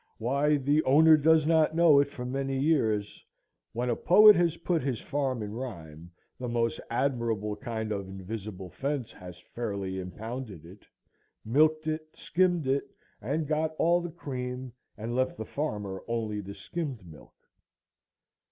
Why, the owner does not know it for many years when a poet has put his farm in rhyme, the most admirable kind of invisible fence, has fairly impounded it, milked it, skimmed it, and got all the cream, and left the farmer only the skimmed milk.